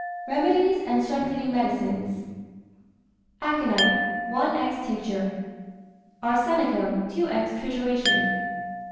REMEDIES AND STRENGTHENING MEDICINES. Aconite, 1^{×} tincture. Arsenicum, 2^{×} trituration.